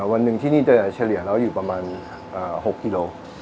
วันหนึ่งที่นี่จะเฉลี่ยแล้วอยู่ประมาณ๖กิโล